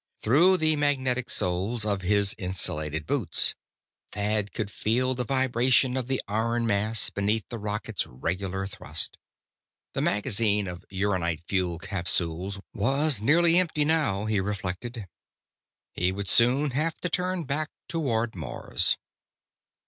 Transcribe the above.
Through the magnetic soles of his insulated boots, Thad could feel the vibration of the iron mass, beneath the rocket's regular thrust. The magazine of uranite fuel capsules was nearly empty, now, he reflected. He would soon have to turn back toward Mars.